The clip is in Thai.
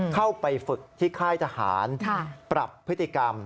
เข้าไปฝึกที่ค่ายทหารปรับพฤติกรรม